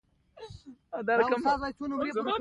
څه خواري پرې کوې.